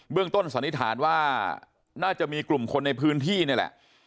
ต้นสันนิษฐานว่าน่าจะมีกลุ่มคนในพื้นที่นี่แหละ